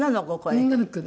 女の子？